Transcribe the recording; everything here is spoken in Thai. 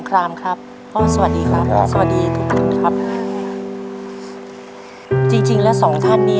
บอกว่าประตูนี้อย่างน้อยแต่กลับจนมีเท่าไหร่